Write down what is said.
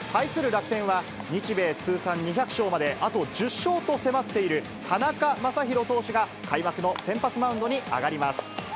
楽天は、日米通算２００勝まであと１０勝と迫っている田中将大投手が開幕の先発マウンドに上がります。